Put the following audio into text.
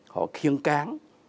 họ khiêng cáng